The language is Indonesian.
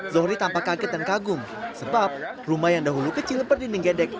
zohri tampak kaget dan kagum sebab rumah yang dahulu kecil berdinding gedek